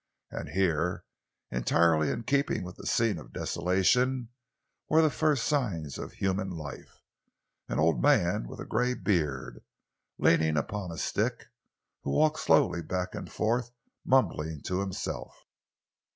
And here, entirely in keeping with the scene of desolation, were the first signs of human life an old man with a grey beard, leaning upon a stick, who walked slowly back and forth, mumbling to himself.